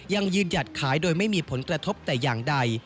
ยังยืนหยัดขายโดยไม่มีผลกระทบแต่อย่างใด